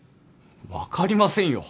分かりませんよ